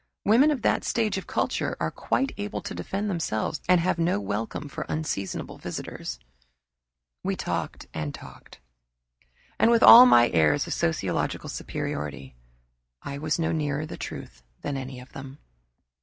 Women of that stage of culture are quite able to defend themselves and have no welcome for unseasonable visitors." We talked and talked. And with all my airs of sociological superiority I was no nearer than any of them.